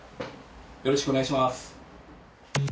よろしくお願いします